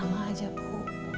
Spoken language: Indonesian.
sama aja bu